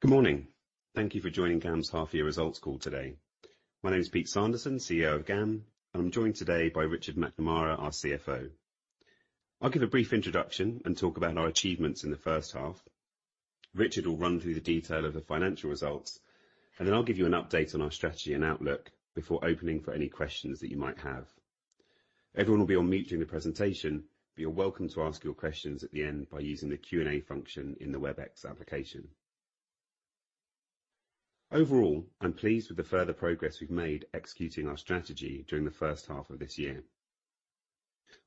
Good morning. Thank you for joining GAM's half-year results call today. My name's Peter Sanderson, CEO of GAM, and I'm joined today by Richard McNamara, our CFO. I'll give a brief introduction and talk about our achievements in the first half. Richard will run through the detail of the financial results, and then I'll give you an update on our strategy and outlook before opening for any questions that you might have. Everyone will be on mute during the presentation, but you're welcome to ask your questions at the end by using the Q&A function in the Webex application. Overall, I'm pleased with the further progress we've made executing our strategy during the first half of this year.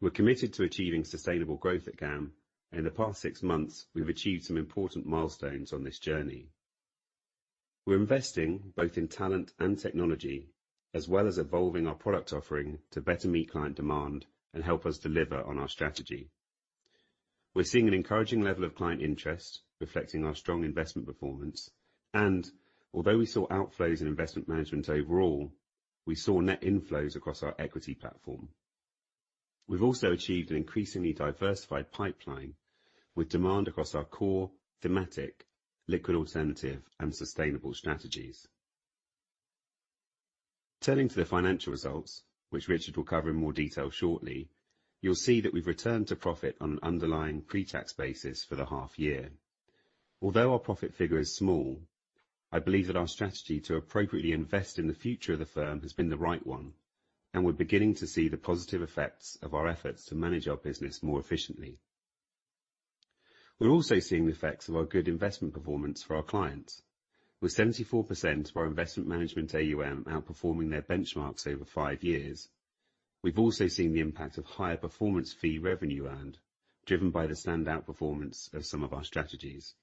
We're committed to achieving sustainable growth at GAM. In the past six months, we've achieved some important milestones on this journey. We're investing both in talent and technology, as well as evolving our product offering to better meet client demand and help us deliver on our strategy. We're seeing an encouraging level of client interest reflecting our strong investment performance, and although we saw outflows in investment management overall, we saw net inflows across our equity platform. We've also achieved an increasingly diversified pipeline with demand across our core thematic, liquid alternative, and sustainable strategies. Turning to the financial results, which Richard will cover in more detail shortly, you'll see that we've returned to profit on an underlying pre-tax basis for the half year. Although our profit figure is small, I believe that our strategy to appropriately invest in the future of the firm has been the right one, and we're beginning to see the positive effects of our efforts to manage our business more efficiently. We're also seeing the effects of our good investment performance for our clients, with 74% of our investment management AUM outperforming their benchmarks over five years. We've also seen the impact of higher performance fee revenue earned, driven by the standout performance of some of our strategies.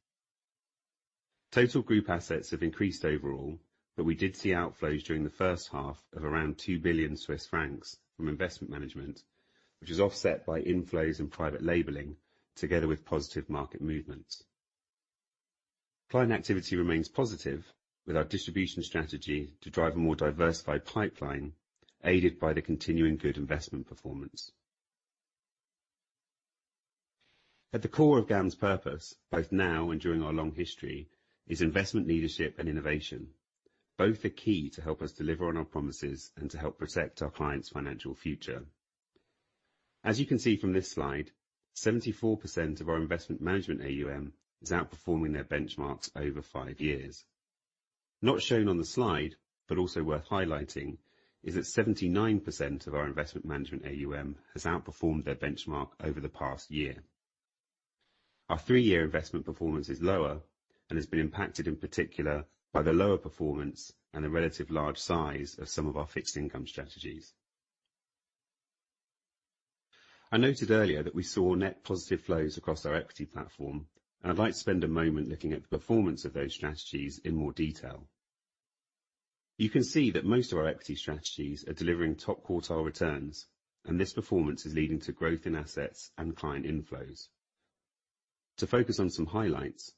Total group assets have increased overall, but we did see outflows during the first half of around 2 billion Swiss francs from investment management, which is offset by inflows and private labeling together with positive market movements. Client activity remains positive with our distribution strategy to drive a more diversified pipeline, aided by the continuing good investment performance. At the core of GAM's purpose, both now and during our long history, is investment leadership and innovation. Both are key to help us deliver on our promises and to help protect our clients' financial future. As you can see from this slide, 74% of our investment management AUM is outperforming their benchmarks over five years. Not shown on the slide, but also worth highlighting, is that 79% of our investment management AUM has outperformed their benchmark over the past year. Our three-year investment performance is lower and has been impacted, in particular, by the lower performance and the relative large size of some of our fixed income strategies. I noted earlier that we saw net positive flows across our equity platform, and I'd like to spend a moment looking at the performance of those strategies in more detail. You can see that most of our equity strategies are delivering top-quartile returns, and this performance is leading to growth in assets and client inflows. To focus on some highlights,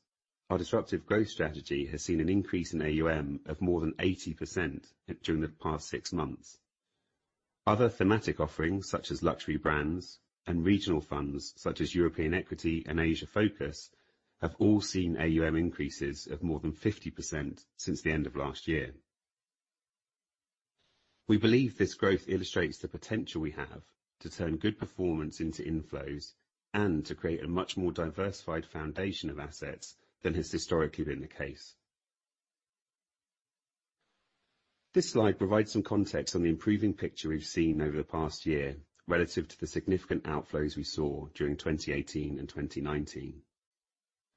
our Disruptive Growth strategy has seen an increase in AUM of more than 80% during the past six months. Other thematic offerings, such as Luxury Brands and regional funds, such as European Equity and Asia Focus, have all seen AUM increases of more than 50% since the end of last year. We believe this growth illustrates the potential we have to turn good performance into inflows and to create a much more diversified foundation of assets than has historically been the case. This slide provides some context on the improving picture we've seen over the past year relative to the significant outflows we saw during 2018 and 2019.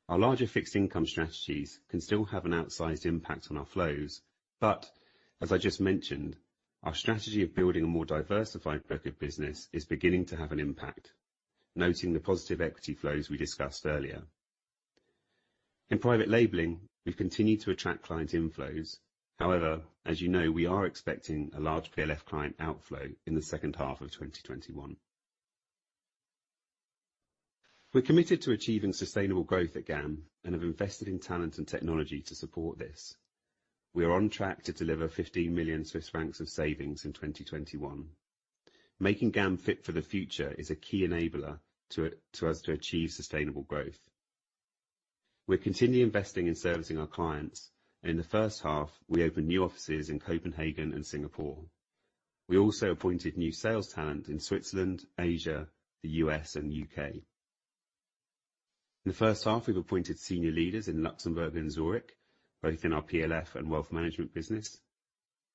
Our larger fixed income strategies can still have an outsized impact on our flows. As I just mentioned, our strategy of building a more diversified book of business is beginning to have an impact, noting the positive equity flows we discussed earlier. In private labeling, we've continued to attract client inflows. However, as you know, we are expecting a large PLF client outflow in H2 2021. We're committed to achieving sustainable growth at GAM and have invested in talent and technology to support this. We are on track to deliver 15 million Swiss francs of savings in 2021. Making GAM fit for the future is a key enabler to us to achieve sustainable growth. We're continually investing in servicing our clients. In H1, we opened new offices in Copenhagen and Singapore. We also appointed new sales talent in Switzerland, Asia, the U.S., and U.K. In the first half, we've appointed senior leaders in Luxembourg and Zurich, both in our PLF and wealth management business.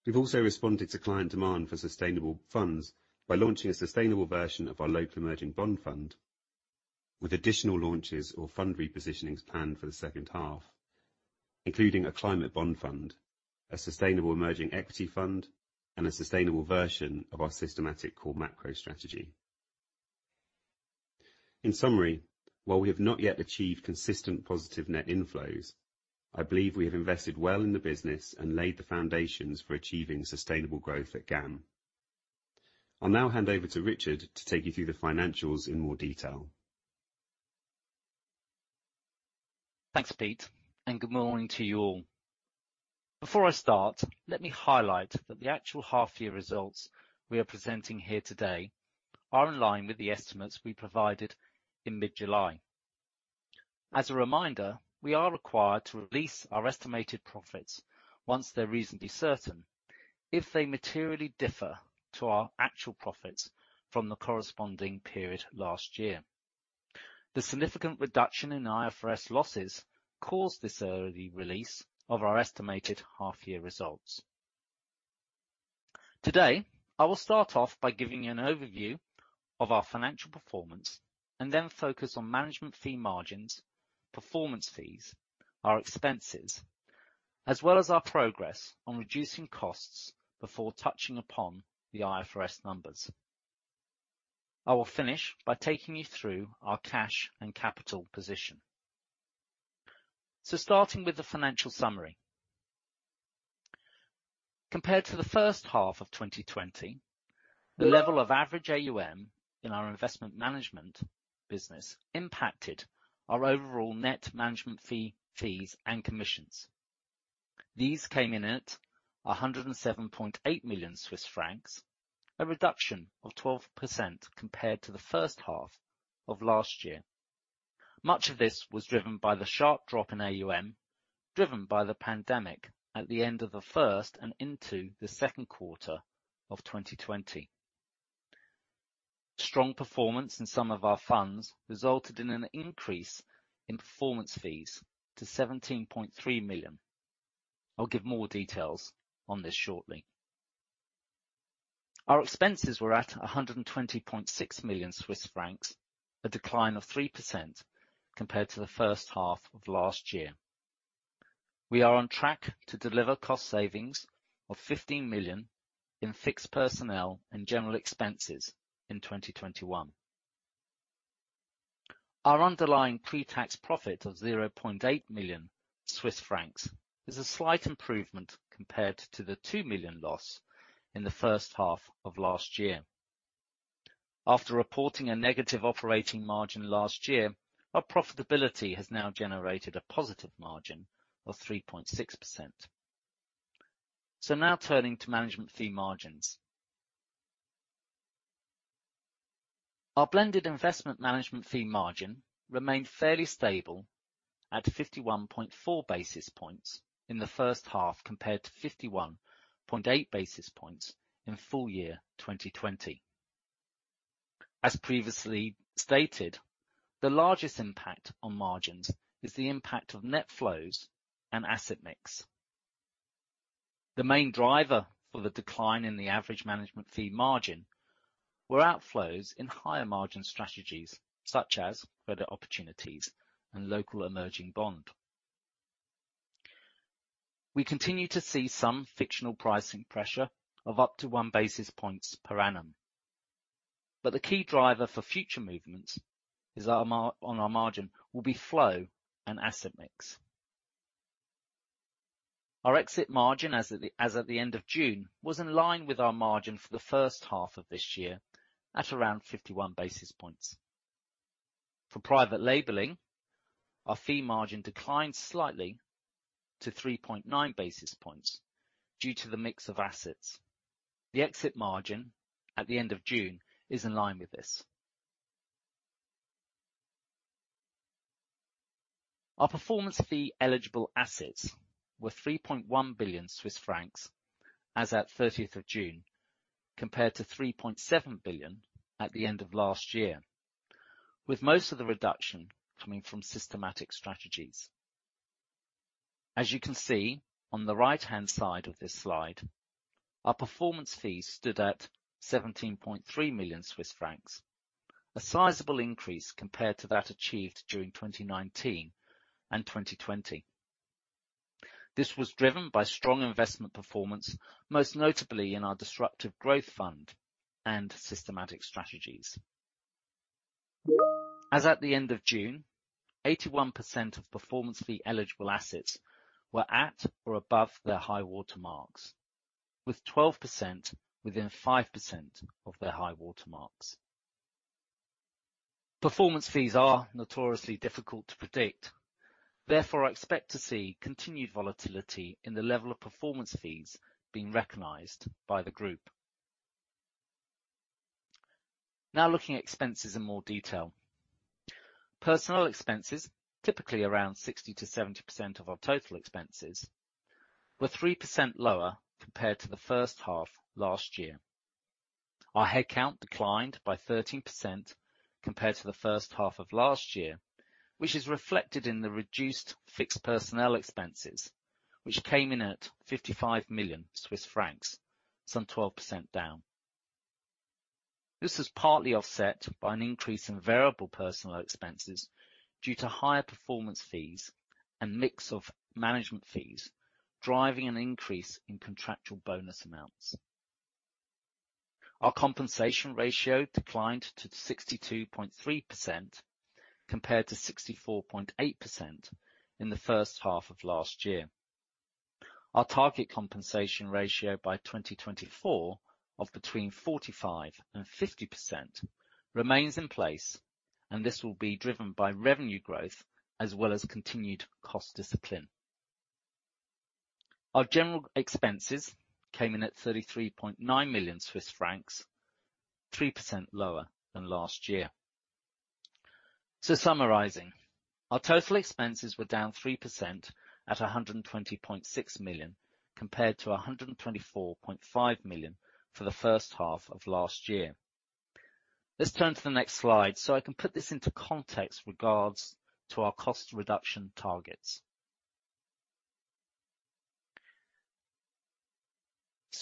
We've also responded to client demand for sustainable funds by launching a sustainable version of our GAM Local Emerging Bond Fund with additional launches or Fund repositionings planned for the second half, including a GAM Sustainable Climate Bond Fund, a Sustainable Emerging Equity Fund, and a sustainable version of our GAM Systematic Core Macro Strategy. In summary, while we have not yet achieved consistent positive net inflows, I believe we have invested well in the business and laid the foundations for achieving sustainable growth at GAM. I'll now hand over to Richard to take you through the financials in more detail. Thanks, Pete. Good morning to you all. Before I start, let me highlight that the actual half-year results we are presenting here today are in line with the estimates we provided in mid-July. As a reminder, we are required to release our estimated profits once they're reasonably certain if they materially differ to our actual profits from the corresponding period last year. The significant reduction in IFRS losses caused this early release of our estimated half-year results. Today, I will start off by giving you an overview of our financial performance. Then focus on management fee margins, performance fees, our expenses, as well as our progress on reducing costs before touching upon the IFRS numbers. I will finish by taking you through our cash and capital position. Starting with the financial summary. Compared to the first half of 2020, the level of average AUM in our investment management business impacted our overall net management fees and commissions. These came in at 107.8 million Swiss francs, a reduction of 12% compared to the first half of last year. Much of this was driven by the sharp drop in AUM, driven by the pandemic at the end of the first and into the second quarter of 2020. Strong performance in some of our funds resulted in an increase in performance fees to 17.3 million. I'll give more details on this shortly. Our expenses were at 120.6 million Swiss francs, a decline of 3% compared to the first half of last year. We are on track to deliver cost savings of 15 million in fixed personnel and general expenses in 2021. Our underlying pre-tax profit of 0.8 million Swiss francs is a slight improvement compared to the 2 million loss in the first half of last year. After reporting a negative operating margin last year, our profitability has now generated a positive margin of 3.6%. Now turning to management fee margins. Our blended investment management fee margin remained fairly stable at 51.4 basis points in the first half, compared to 51.8 basis points in full year 2020. As previously stated, the largest impact on margins is the impact of net flows and asset mix. The main driver for the decline in the average management fee margin were outflows in higher margin strategies such as Credit Opportunities and Local Emerging Bond. We continue to see some frictional pricing pressure of up to 1 basis point per annum, but the key driver for future movements on our margin will be flow and asset mix. Our exit margin as at the end of June, was in line with our margin for the first half of this year at around 51 basis points. For private labeling, our fee margin declined slightly to 3.9 basis points due to the mix of assets. The exit margin at the end of June is in line with this. Our performance fee eligible assets were 3.1 billion Swiss francs as at 30th of June, compared to 3.7 billion at the end of last year, with most of the reduction coming from GAM Systematic. As you can see on the right-hand side of this slide, our performance fees stood at 17.3 million Swiss francs, a sizable increase compared to that achieved during 2019 and 2020. This was driven by strong investment performance, most notably in our GAM Star Disruptive Growth and GAM Systematic. As at the end of June, 81% of performance fee eligible assets were at or above their high-water marks, with 12% within 5% of their high-water marks. Performance fees are notoriously difficult to predict. Therefore, I expect to see continued volatility in the level of performance fees being recognized by the group. Now looking at expenses in more detail. Personnel expenses, typically around 60%-70% of our total expenses, were 3% lower compared to the first half last year. Our head count declined by 13% compared to the first half of last year, which is reflected in the reduced fixed personnel expenses, which came in at 55 million Swiss francs, some 12% down. This was partly offset by an increase in variable personnel expenses due to higher performance fees and mix of management fees driving an increase in contractual bonus amounts. Our compensation ratio declined to 62.3%, compared to 64.8% in the first half of last year. Our target compensation ratio by 2024 of between 45% and 50% remains in place. This will be driven by revenue growth as well as continued cost discipline. Our general expenses came in at 33.9 million Swiss francs, 3% lower than last year. Summarizing, our total expenses were down 3% at 120.6 million compared to 124.5 million for the first half of last year. Let's turn to the next slide so I can put this into context with regards to our cost reduction targets.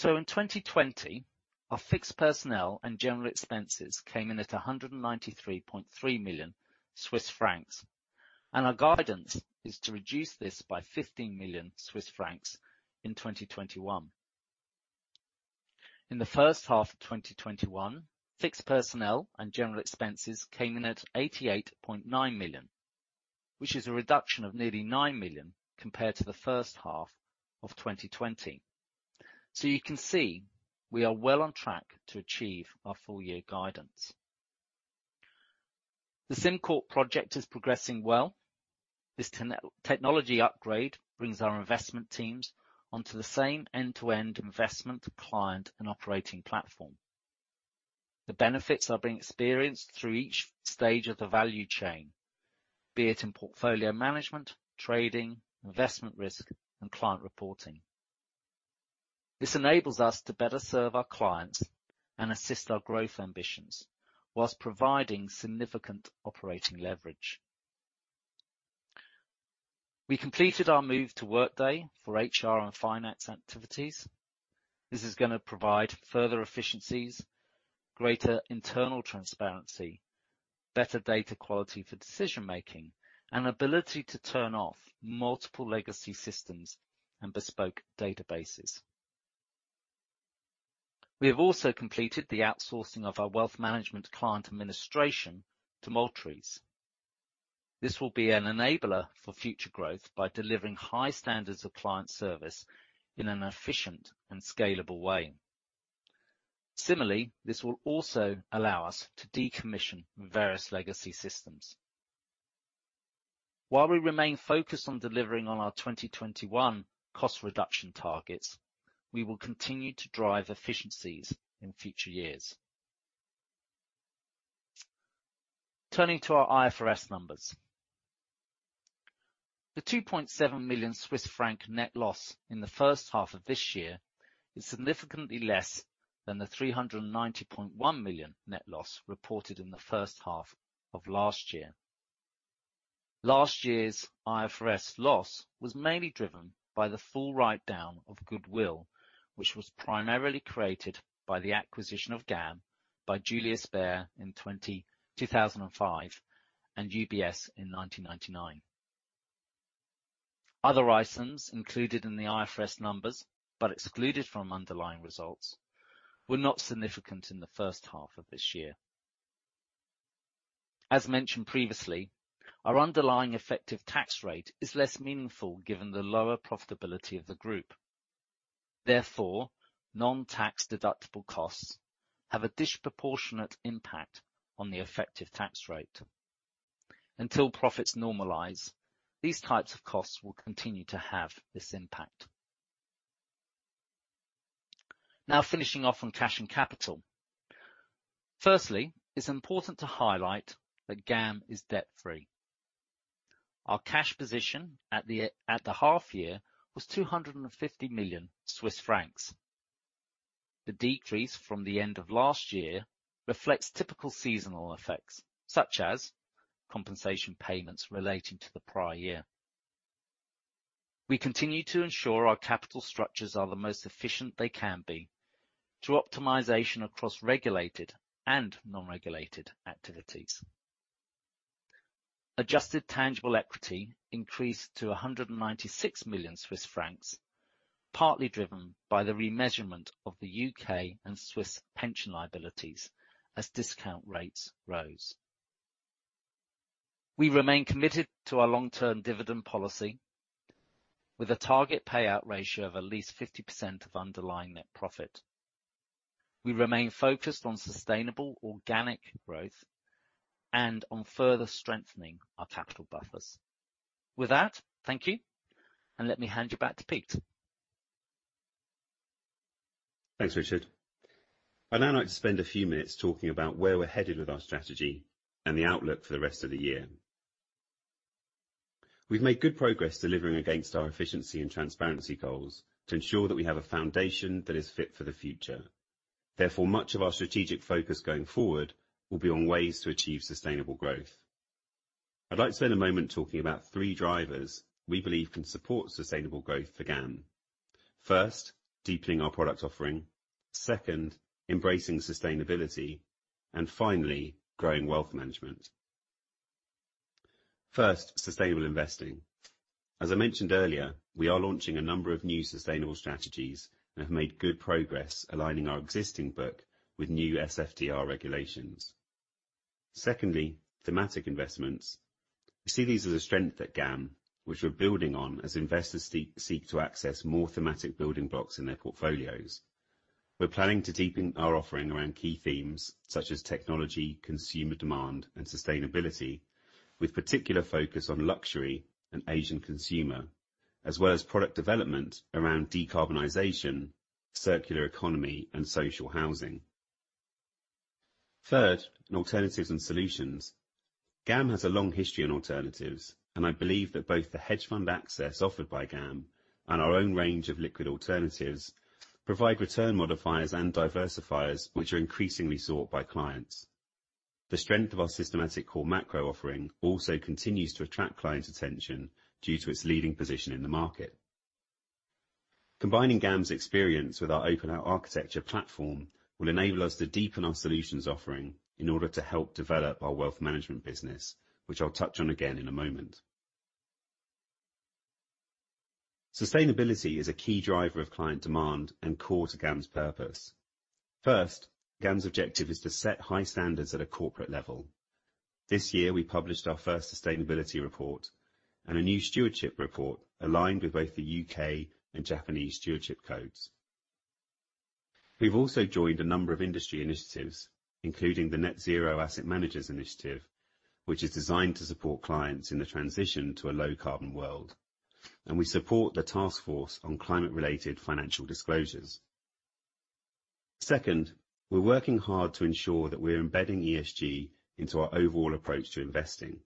In 2020, our fixed personnel and general expenses came in at 193.3 million Swiss francs, and our guidance is to reduce this by 15 million Swiss francs in 2021. In the first half of 2021, fixed personnel and general expenses came in at 88.9 million, which is a reduction of nearly 9 million compared to the first half of 2020. You can see we are well on track to achieve our full year guidance. The SimCorp project is progressing well. This technology upgrade brings our investment teams onto the same end-to-end investment client and operating platform. The benefits are being experienced through each stage of the value chain, be it in portfolio management, trading, investment risk, and client reporting. This enables us to better serve our clients and assist our growth ambitions whilst providing significant operating leverage. We completed our move to Workday for HR and finance activities. This is going to provide further efficiencies, greater internal transparency, better data quality for decision-making, and ability to turn off multiple legacy systems and bespoke databases. We have also completed the outsourcing of our wealth management client administration to Multrees. This will be an enabler for future growth by delivering high standards of client service in an efficient and scalable way. Similarly, this will also allow us to decommission various legacy systems. While we remain focused on delivering on our 2021 cost reduction targets, we will continue to drive efficiencies in future years. Turning to our IFRS numbers. The 2.7 million Swiss franc net loss in the first half of this year is significantly less than the 390.1 million net loss reported in the first half of last year. Last year's IFRS loss was mainly driven by the full write-down of goodwill, which was primarily created by the acquisition of GAM by Julius Baer in 2005 and UBS in 1999. Other items included in the IFRS numbers, but excluded from underlying results, were not significant in the first half of this year. As mentioned previously, our underlying effective tax rate is less meaningful given the lower profitability of the group. Therefore, non-tax deductible costs have a disproportionate impact on the effective tax rate. Until profits normalize, these types of costs will continue to have this impact. Now finishing off on cash and capital. Firstly, it's important to highlight that GAM is debt-free. Our cash position at the half year was 250 million Swiss francs. The decrease from the end of last year reflects typical seasonal effects, such as compensation payments relating to the prior year. We continue to ensure our capital structures are the most efficient they can be through optimization across regulated and non-regulated activities. Adjusted tangible equity increased to 196 million Swiss francs, partly driven by the remeasurement of the U.K. and Swiss pension liabilities as discount rates rose. We remain committed to our long-term dividend policy with a target payout ratio of at least 50% of underlying net profit. We remain focused on sustainable organic growth and on further strengthening our capital buffers. With that, thank you, and let me hand you back to Peter. Thanks, Richard. I'd now like to spend a few minutes talking about where we're headed with our strategy and the outlook for the rest of the year. We've made good progress delivering against our efficiency and transparency goals to ensure that we have a foundation that is fit for the future. Therefore, much of our strategic focus going forward will be on ways to achieve sustainable growth. I'd like to spend a moment talking about three drivers we believe can support sustainable growth for GAM. First, deepening our product offering. Second, embracing sustainability. Finally, growing wealth management. First, sustainable investing. As I mentioned earlier, we are launching a number of new sustainable strategies and have made good progress aligning our existing book with new SFDR regulations. Secondly, thematic investments. We see these as a strength at GAM, which we're building on as investors seek to access more thematic building blocks in their portfolios. We're planning to deepen our offering around key themes such as technology, consumer demand, and sustainability, with particular focus on luxury and Asian consumer, as well as product development around decarbonization, circular economy, and social housing. Third, in alternatives and solutions, GAM has a long history in alternatives, and I believe that both the hedge fund access offered by GAM and our own range of liquid alternatives provide return modifiers and diversifiers, which are increasingly sought by clients. The strength of our GAM Systematic Core Macro offering also continues to attract clients' attention due to its leading position in the market. Combining GAM's experience with our open architecture platform will enable us to deepen our solutions offering in order to help develop our wealth management business, which I'll touch on again in a moment. Sustainability is a key driver of client demand and core to GAM's purpose. First, GAM's objective is to set high standards at a corporate level. This year, we published our first sustainability report and a new stewardship report aligned with both the U.K. and Japanese stewardship codes. We've also joined a number of industry initiatives, including the Net Zero Asset Managers Initiative, which is designed to support clients in the transition to a low-carbon world. We support the Task Force on Climate-related Financial Disclosures. Second, we're working hard to ensure that we're embedding ESG into our overall approach to investing.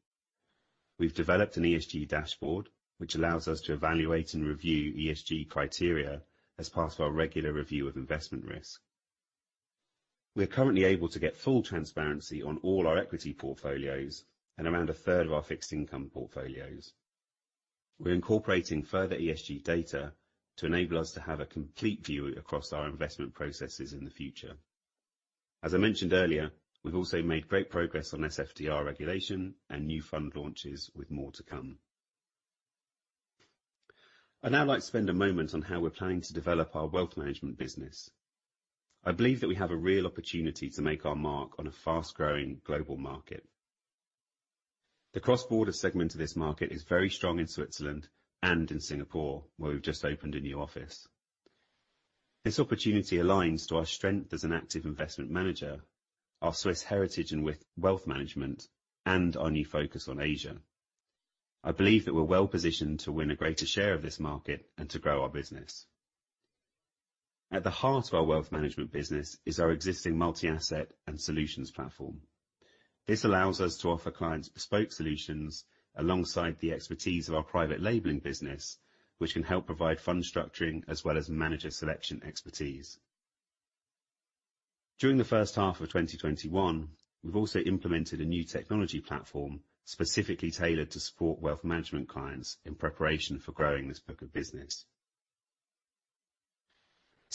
We've developed an ESG dashboard, which allows us to evaluate and review ESG criteria as part of our regular review of investment risk. We are currently able to get full transparency on all our equity portfolios and around a third of our fixed income portfolios. We're incorporating further ESG data to enable us to have a complete view across our investment processes in the future. As I mentioned earlier, we've also made great progress on SFDR regulation and new fund launches with more to come. I'd now like to spend a moment on how we're planning to develop our wealth management business. I believe that we have a real opportunity to make our mark on a fast-growing global market. The cross-border segment of this market is very strong in Switzerland and in Singapore, where we've just opened a new office. This opportunity aligns to our strength as an active investment manager, our Swiss heritage and wealth management, and our new focus on Asia. I believe that we're well-positioned to win a greater share of this market and to grow our business. At the heart of our wealth management business is our existing multi-asset and solutions platform. This allows us to offer clients bespoke solutions alongside the expertise of our private labeling business, which can help provide fund structuring as well as manager selection expertise. During H1 2021, we've also implemented a new technology platform specifically tailored to support wealth management clients in preparation for growing this book of business.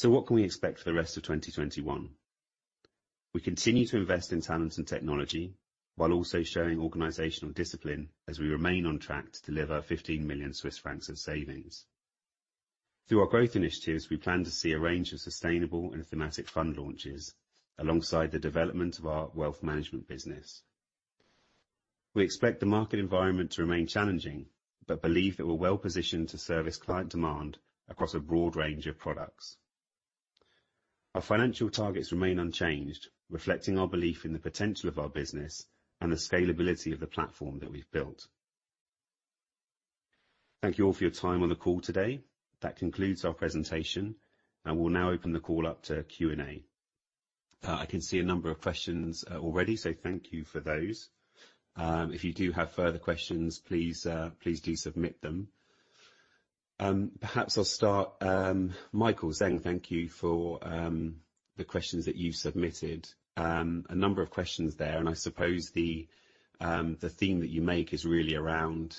What can we expect for the rest of 2021? We continue to invest in talent and technology while also showing organizational discipline as we remain on track to deliver 15 million Swiss francs of savings. Through our growth initiatives, we plan to see a range of sustainable and thematic fund launches alongside the development of our wealth management business. We expect the market environment to remain challenging, but believe that we're well-positioned to service client demand across a broad range of products. Our financial targets remain unchanged, reflecting our belief in the potential of our business and the scalability of the platform that we've built. Thank you all for your time on the call today. That concludes our presentation, and we'll now open the call up to Q&A. I can see a number of questions already, so thank you for those. If you do have further questions, please do submit them. Perhaps I'll start, Michael Senn, thank you for the questions that you've submitted. A number of questions there, and I suppose the theme that you make is really around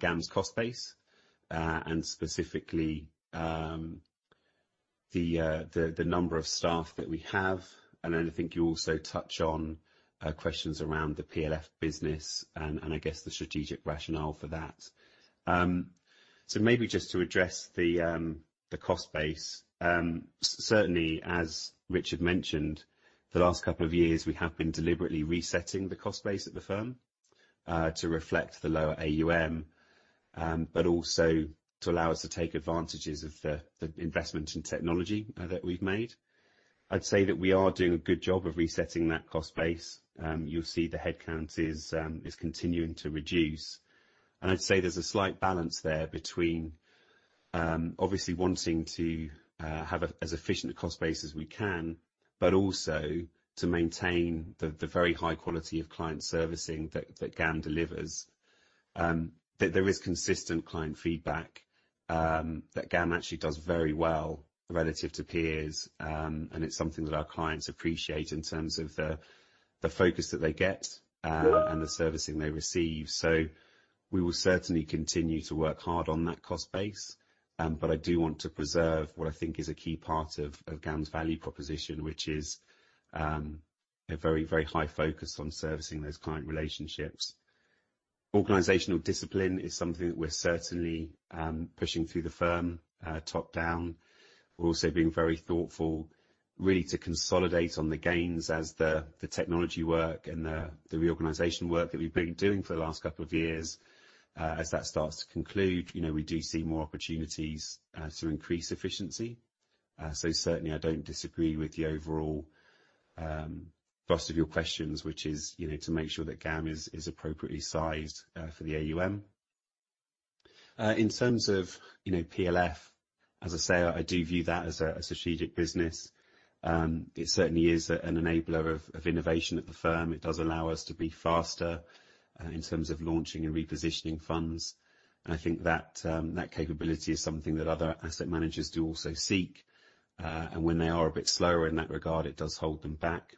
GAM's cost base, and specifically the number of staff that we have, and I think you also touch on questions around the PLF business and I guess the strategic rationale for that. Maybe just to address the cost base. Certainly, as Richard mentioned, the last couple of years, we have been deliberately resetting the cost base of the firm to reflect the lower AUM, but also to allow us to take advantage of the investment in technology that we've made. I'd say that we are doing a good job of resetting that cost base. You'll see the headcount is continuing to reduce. I'd say there's a slight balance there between obviously wanting to have as efficient a cost base as we can, but also to maintain the very high quality of client servicing that GAM delivers. There is consistent client feedback that GAM actually does very well relative to peers, and it's something that our clients appreciate in terms of the focus that they get and the servicing they receive. We will certainly continue to work hard on that cost base, but I do want to preserve what I think is a key part of GAM's value proposition, which is a very high focus on servicing those client relationships. Organizational discipline is something that we're certainly pushing through the firm, top-down. We're also being very thoughtful, really to consolidate on the gains as the technology work and the reorganization work that we've been doing for the last couple of years. As that starts to conclude, we do see more opportunities to increase efficiency. Certainly I don't disagree with the overall thrust of your questions, which is to make sure that GAM is appropriately sized for the AUM. In terms of PLF, as I say, I do view that as a strategic business. It certainly is an enabler of innovation at the firm. It does allow us to be faster in terms of launching and repositioning funds, and I think that capability is something that other asset managers do also seek. When they are a bit slower in that regard, it does hold them back.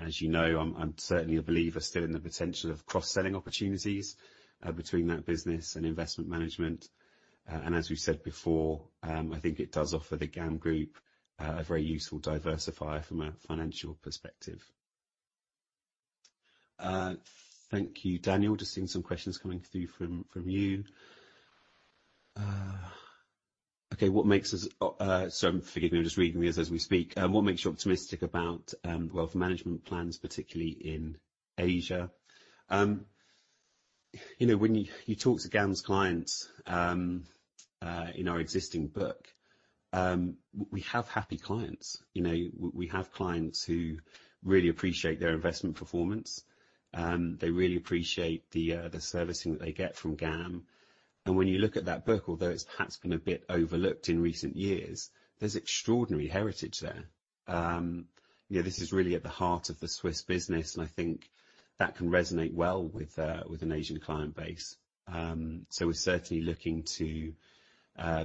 As you know, I'm certainly a believer still in the potential of cross-selling opportunities between that business and investment management. As we've said before, I think it does offer the GAM group a very useful diversifier from a financial perspective. Thank you, Daniel. Just seeing some questions coming through from you. Okay. Forgive me, I'm just reading these as we speak. What makes you optimistic about wealth management plans, particularly in Asia? When you talk to GAM's clients in our existing book, we have happy clients. We have clients who really appreciate their investment performance. They really appreciate the servicing that they get from GAM. When you look at that book, although it's perhaps been a bit overlooked in recent years, there's extraordinary heritage there. This is really at the heart of the Swiss business, and I think that can resonate well with an Asian client base. We're certainly looking to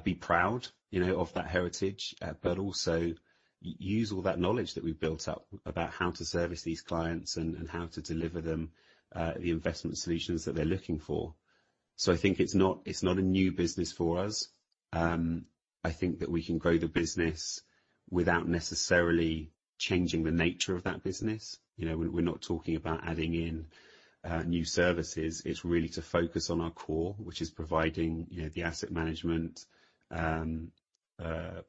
be proud of that heritage, but also use all that knowledge that we've built up about how to service these clients and how to deliver them the investment solutions that they're looking for. I think it's not a new business for us. I think that we can grow the business without necessarily changing the nature of that business. We're not talking about adding in new services. It's really to focus on our core, which is providing the asset management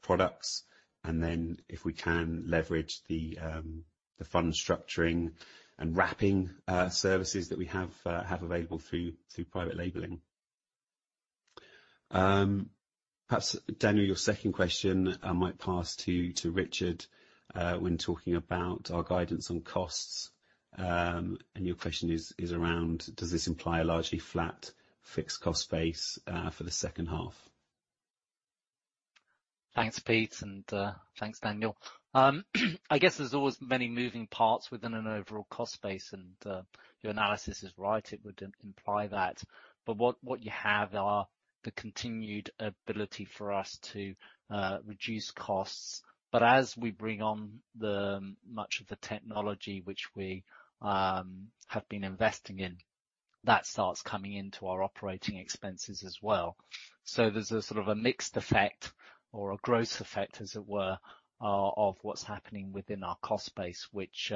products, and then if we can, leverage the fund structuring and wrapping services that we have available through private labeling. Perhaps, Daniel, your second question I might pass to Richard when talking about our guidance on costs, and your question is around, does this imply a largely flat fixed cost base for the second half? Thanks, Peter, and thanks, Daniel. I guess there's always many moving parts within an overall cost base, and your analysis is right. It would imply that. What you have are the continued ability for us to reduce costs. As we bring on much of the technology which we have been investing in, that starts coming into our operating expenses as well. There's a sort of a mixed effect or a gross effect, as it were, of what's happening within our cost base, which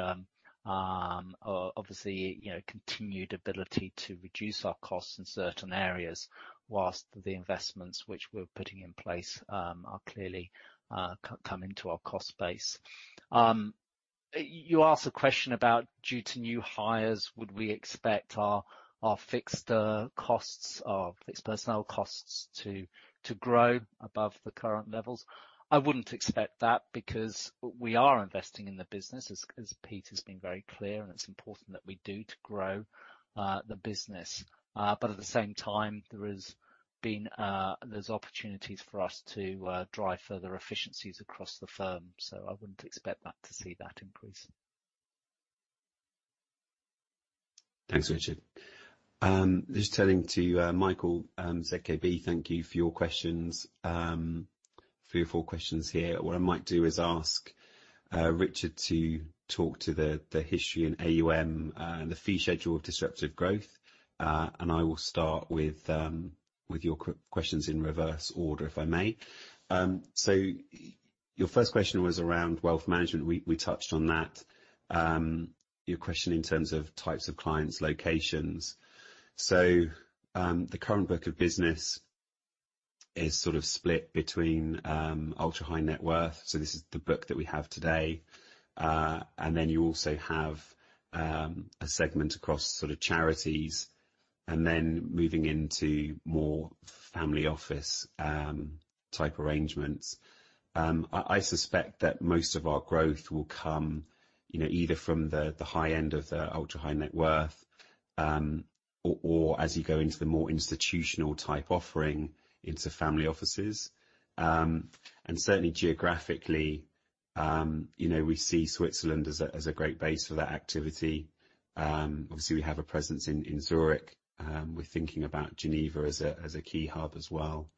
obviously, continued ability to reduce our costs in certain areas whilst the investments which we're putting in place clearly come into our cost base. You asked a question about due to new hires, would we expect our fixed personnel costs to grow above the current levels? I wouldn't expect that because we are investing in the business, as Peter Sanderson has been very clear, and it's important that we do to grow the business. At the same time, there's opportunities for us to drive further efficiencies across the firm. I wouldn't expect to see that increase. Thanks, Richard. Just turning to Michael ZKB, thank you for your questions. Three or four questions here. What I might do is ask Richard to talk to the history and AUM and the fee schedule of Disruptive Growth, and I will start with your questions in reverse order, if I may. Your first question was around wealth management. We touched on that. Your question in terms of types of clients, locations. The current book of business is sort of split between ultra-high net worth, so this is the book that we have today. Then you also have a segment across sort of charities and then moving into more family office type arrangements. I suspect that most of our growth will come either from the high end of the ultra-high net worth, or as you go into the more institutional type offering into family offices. Geographically, we see Switzerland as a great base for that activity. Obviously, we have a presence in Zurich. We're thinking about Geneva as a key hub as well.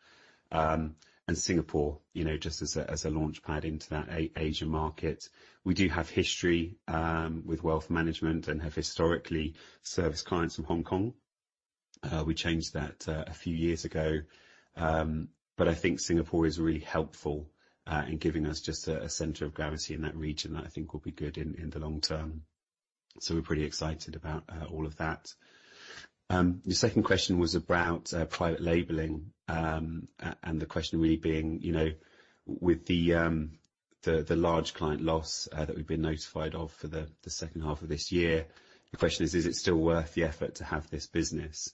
Singapore, just as a launch pad into that Asian market. We do have history with wealth management and have historically serviced clients from Hong Kong. We changed that a few years ago. Singapore is really helpful in giving us just a center of gravity in that region that I think will be good in the long term. We're pretty excited about all of that. Your second question was about private labeling, and the question really being with the large client loss that we've been notified of for the second half of this year. The question is it still worth the effort to have this business?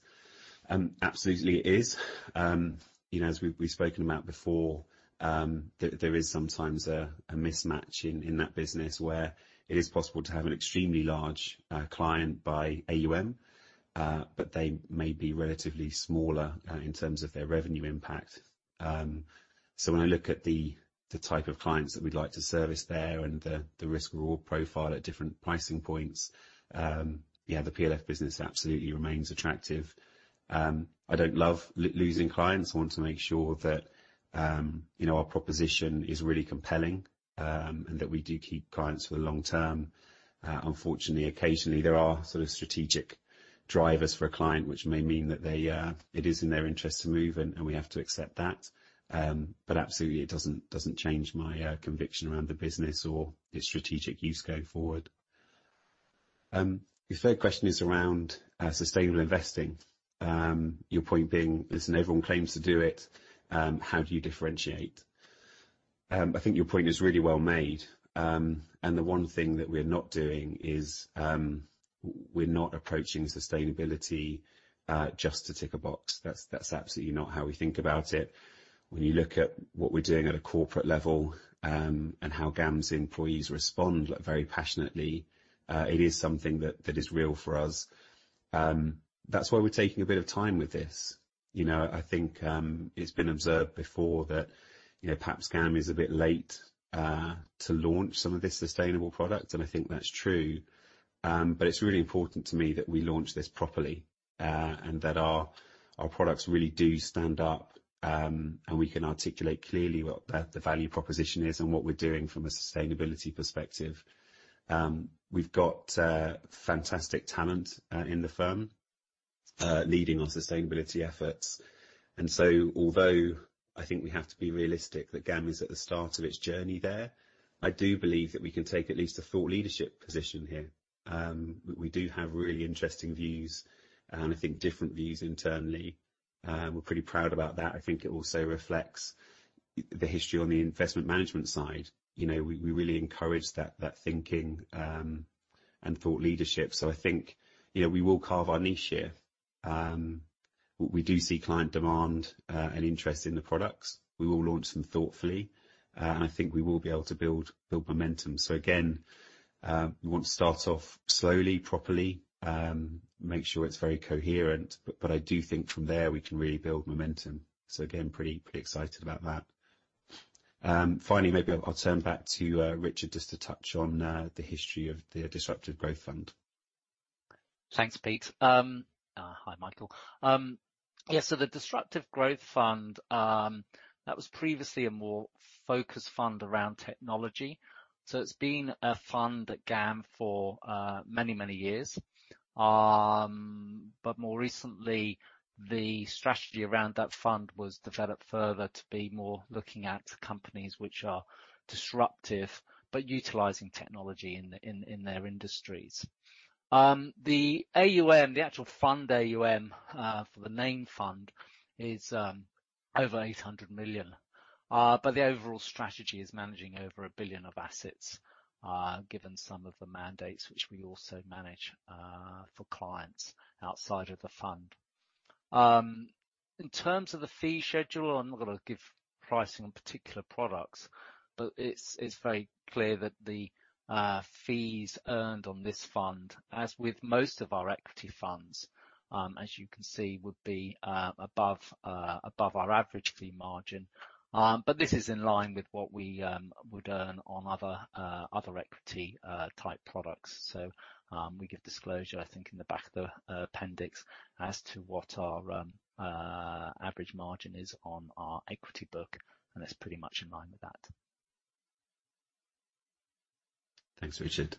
Absolutely it is. As we've spoken about before, there is sometimes a mismatch in that business where it is possible to have an extremely large client by AUM, but they may be relatively smaller in terms of their revenue impact. When I look at the type of clients that we'd like to service there and the risk profile at different pricing points, the PLF business absolutely remains attractive. I don't love losing clients. I want to make sure that our proposition is really compelling and that we do keep clients for the long term. Unfortunately, occasionally there are sort of strategic drivers for a client which may mean that it is in their interest to move, and we have to accept that. Absolutely it doesn't change my conviction around the business or its strategic use going forward. Your third question is around sustainable investing. Your point being, listen, everyone claims to do it, how do you differentiate? I think your point is really well made, and the one thing that we're not doing is, we're not approaching sustainability just to tick a box. That's absolutely not how we think about it. When you look at what we're doing at a corporate level, and how GAM's employees respond very passionately, it is something that is real for us. That's why we're taking a bit of time with this. I think it's been observed before that perhaps GAM is a bit late to launch some of this sustainable product, and I think that's true. It's really important to me that we launch this properly, and that our products really do stand up, and we can articulate clearly what the value proposition is and what we're doing from a sustainability perspective. We've got fantastic talent in the firm leading our sustainability efforts. Although I think we have to be realistic that GAM is at the start of its journey there, I do believe that we can take at least a thought leadership position here. We do have really interesting views and I think different views internally. We're pretty proud about that. I think it also reflects the history on the investment management side. We really encourage that thinking and thought leadership. I think we will carve our niche here. We do see client demand and interest in the products. We will launch them thoughtfully, and I think we will be able to build momentum. Again, we want to start off slowly, properly, make sure it's very coherent. But I do think from there we can really build momentum. Again, pretty excited about that. Finally, maybe I'll turn back to Richard just to touch on the history of the Disruptive Growth Fund. Thanks, Peter Sanderson. Hi, Michael. The Disruptive Growth Fund, that was previously a more focused fund around technology. It's been a fund at GAM for many, many years. More recently, the strategy around that fund was developed further to be more looking at companies which are disruptive but utilizing technology in their industries. The AUM, the actual fund AUM for the main fund is over 800 million. The overall strategy is managing over 1 billion of assets, given some of the mandates which we also manage for clients outside of the fund. In terms of the fee schedule, I'm not going to give pricing on particular products. It's very clear that the fees earned on this fund, as with most of our equity funds, as you can see, would be above our average fee margin. This is in line with what we would earn on other equity type products. We give disclosure, I think in the back of the appendix as to what our average margin is on our equity book, and it's pretty much in line with that. Thanks, Richard.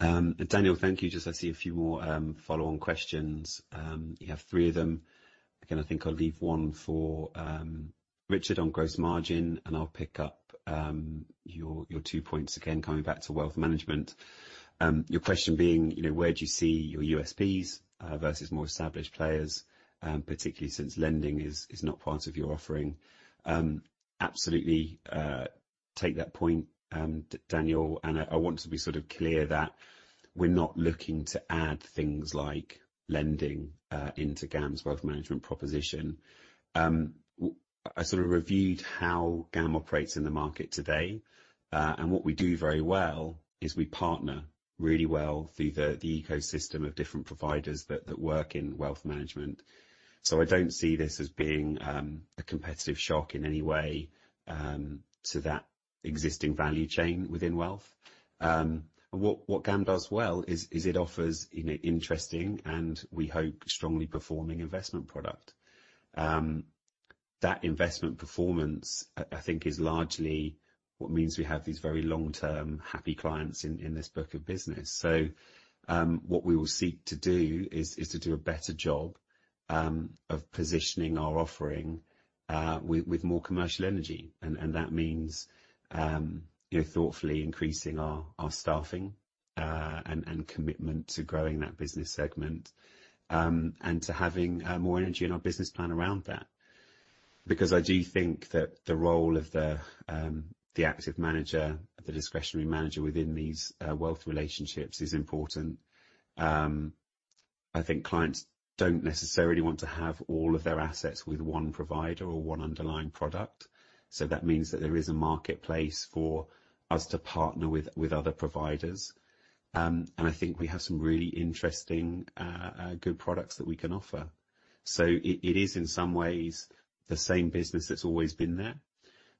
Daniel, thank you. Just I see a few more follow-on questions. You have three of them. Again, I think I'll leave one for Richard on gross margin and I'll pick up your two points again coming back to wealth management. Your question being, where do you see your USPs versus more established players, particularly since lending is not part of your offering? Absolutely take that point, Daniel, and I want to be sort of clear that we're not looking to add things like lending into GAM's wealth management proposition. I sort of reviewed how GAM operates in the market today. What we do very well is we partner really well through the ecosystem of different providers that work in wealth management. I don't see this as being a competitive shock in any way to that existing value chain within wealth. What GAM does well is it offers interesting and we hope strongly performing investment product. That investment performance, I think is largely what means we have these very long-term happy clients in this book of business. What we will seek to do is to do a better job of positioning our offering with more commercial energy. That means thoughtfully increasing our staffing and commitment to growing that business segment, and to having more energy in our business plan around that. I do think that the role of the active manager, the discretionary manager within these wealth relationships is important. I think clients don't necessarily want to have all of their assets with one provider or one underlying product. That means that there is a marketplace for us to partner with other providers. I think we have some really interesting, good products that we can offer. It is in some ways the same business that's always been there,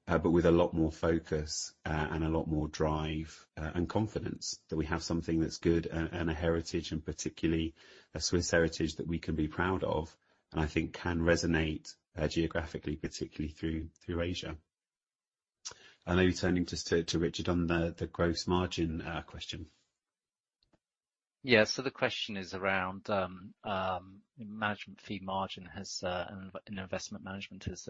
but with a lot more focus and a lot more drive and confidence that we have something that's good and a heritage, and particularly a Swiss heritage that we can be proud of and I think can resonate geographically, particularly through Asia. Maybe turning just to Richard on the gross margin question. Yeah. The question is around management fee margin has, and investment management has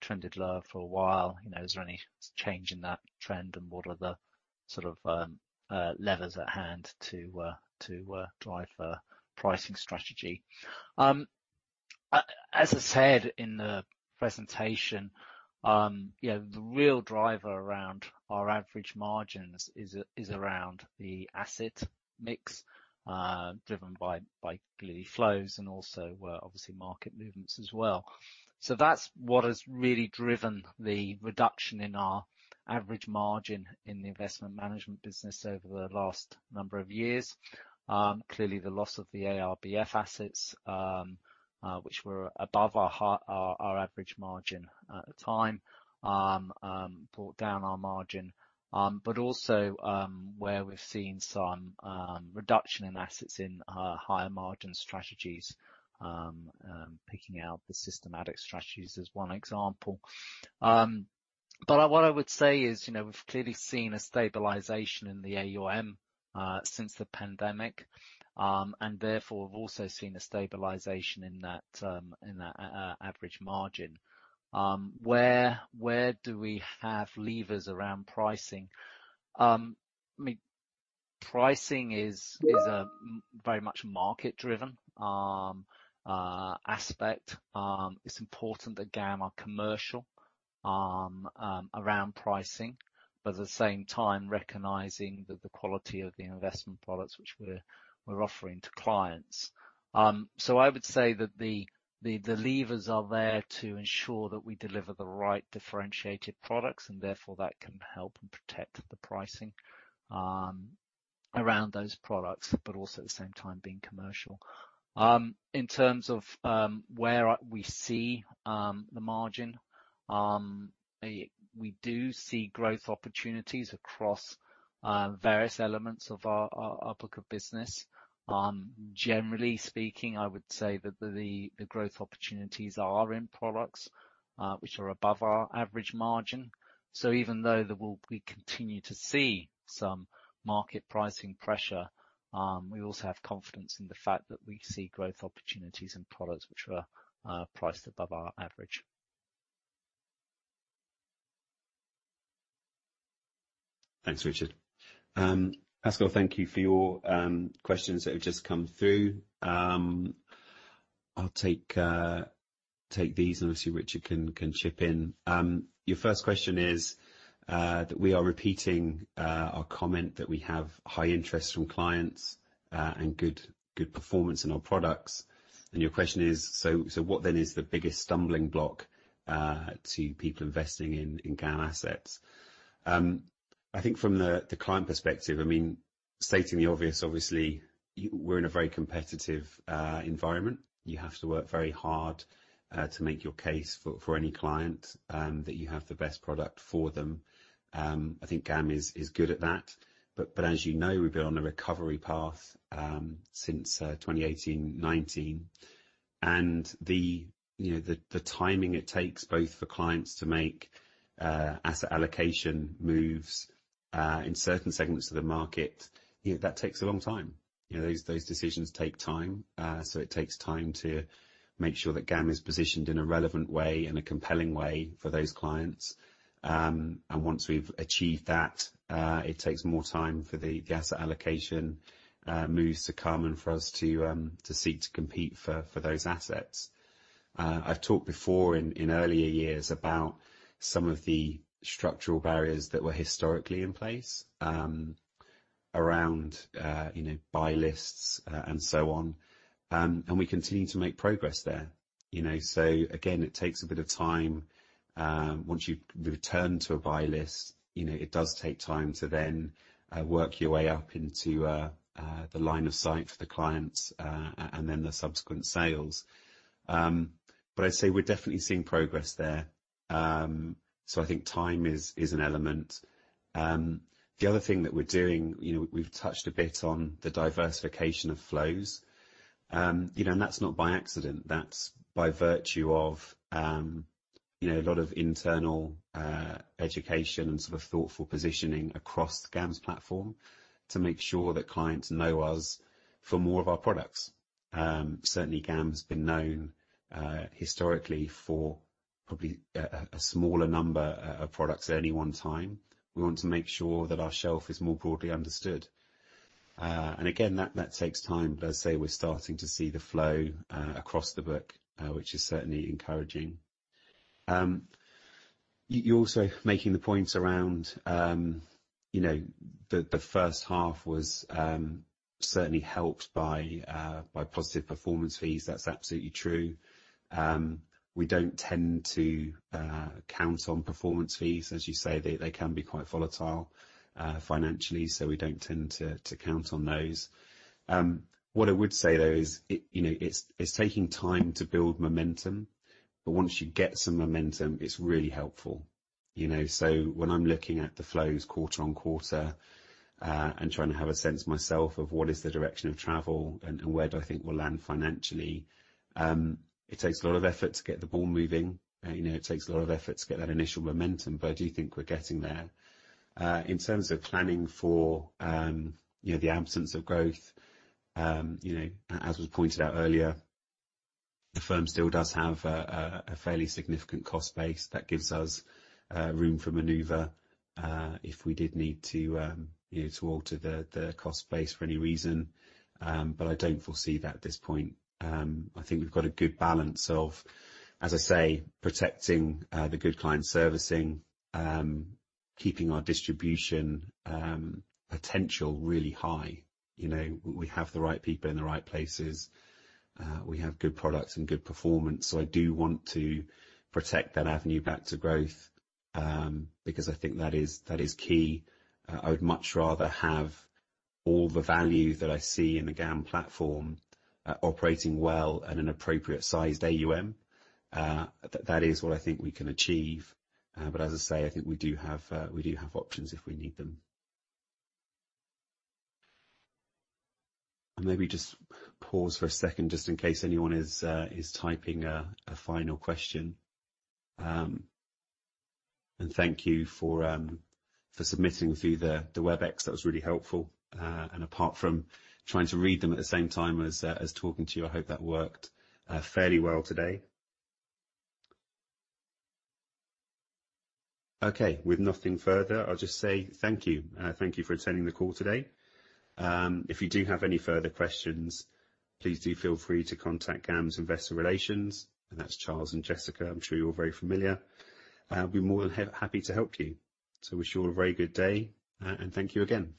trended low for a while. Is there any change in that trend, and what are the sort of levers at hand to drive pricing strategy? As I said in the presentation, the real driver around our average margins is around the asset mix, driven by clearly flows and also, obviously market movements as well. That's what has really driven the reduction in our average margin in the investment management business over the last number of years. Clearly the loss of the ARBF assets, which were above our average margin at the time, brought down our margin. Also, where we've seen some reduction in assets in our higher margin strategies, picking out the systematic strategies as one example. What I would say is, we've clearly seen a stabilization in the AUM, since the pandemic. Therefore, we've also seen a stabilization in that average margin. Where do we have levers around pricing? I mean, pricing is a very much market-driven aspect. It's important that GAM are commercial around pricing, but at the same time recognizing that the quality of the investment products which we're offering to clients. I would say that the levers are there to ensure that we deliver the right differentiated products, and therefore that can help and protect the pricing around those products, but also at the same time being commercial. In terms of where we see the margin, we do see growth opportunities across various elements of our book of business. Generally speaking, I would say that the growth opportunities are in products which are above our average margin. Even though we continue to see some market pricing pressure, we also have confidence in the fact that we see growth opportunities in products which are priced above our average. Thanks, Richard. Pascal, thank you for your questions that have just come through. I'll take these and obviously Richard can chip in. Your first question is that we are repeating our comment that we have high interest from clients, and good performance in our products. Your question is, what then is the biggest stumbling block to people investing in GAM assets? I think from the client perspective, I mean, stating the obvious, obviously, we're in a very competitive environment. You have to work very hard to make your case for any client that you have the best product for them. I think GAM is good at that. As you know, we've been on a recovery path since 2018, 2019, and the timing it takes both for clients to make asset allocation moves in certain segments of the market, that takes a long time. Those decisions take time. It takes time to make sure that GAM is positioned in a relevant way and a compelling way for those clients. Once we've achieved that, it takes more time for the asset allocation moves to come and for us to seek to compete for those assets. I've talked before in earlier years about some of the structural barriers that were historically in place around buy lists and so on. We continue to make progress there. Again, it takes a bit of time. Once you've returned to a buy list, it does take time to then work your way up into the line of sight for the clients, and then the subsequent sales. I'd say we're definitely seeing progress there. I think time is an element. The other thing that we're doing, we've touched a bit on the diversification of flows. That's not by accident. That's by virtue of a lot of internal education and sort of thoughtful positioning across GAM's platform to make sure that clients know us for more of our products. Certainly GAM's been known historically for probably a smaller number of products at any one time. We want to make sure that our shelf is more broadly understood. Again, that takes time, but as I say, we're starting to see the flow across the book, which is certainly encouraging. You're also making the point around the first half was certainly helped by positive performance fees. That's absolutely true. We don't tend to count on performance fees. As you say, they can be quite volatile financially, we don't tend to count on those. What I would say, though, is it's taking time to build momentum, but once you get some momentum, it's really helpful. When I'm looking at the flows quarter on quarter, and trying to have a sense myself of what is the direction of travel and where do I think we'll land financially, it takes a lot of effort to get the ball moving. It takes a lot of effort to get that initial momentum, but I do think we're getting there. In terms of planning for the absence of growth, as was pointed out earlier, the firm still does have a fairly significant cost base that gives us room for maneuver if we did need to alter the cost base for any reason. I don't foresee that at this point. I think we've got a good balance of, as I say, protecting the good client servicing, keeping our distribution potential really high. We have the right people in the right places. We have good products and good performance. I do want to protect that avenue back to growth, because I think that is key. I would much rather have all the value that I see in the GAM platform operating well at an appropriate sized AUM. That is what I think we can achieve. As I say, I think we do have options if we need them. I'll maybe just pause for a second just in case anyone is typing a final question. Thank you for submitting through the Webex. That was really helpful. Apart from trying to read them at the same time as talking to you, I hope that worked fairly well today. With nothing further, I'll just say thank you. Thank you for attending the call today. If you do have any further questions, please do feel free to contact GAM's Investor Relations, and that's Charles and Jessica. I'm sure you're very familiar. I'll be more than happy to help you. I wish you all a very good day, and thank you again.